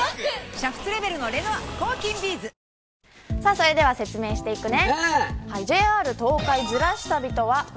それでは説明していくね。